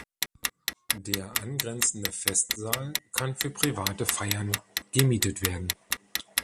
Der angrenzende "Festsaal" kann für private Feiern gemietet werden.